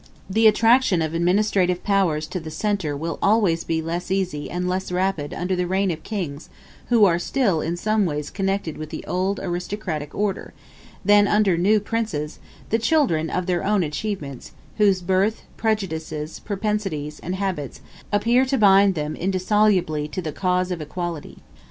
The attraction of administrative powers to the centre will always be less easy and less rapid under the reign of kings who are still in some way connected with the old aristocratic order, than under new princes, the children of their own achievements, whose birth, prejudices, propensities, and habits appear to bind them indissolubly to the cause of equality.